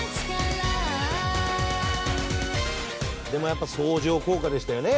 でもやっぱ相乗効果でしたよね。